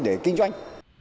để kinh doanh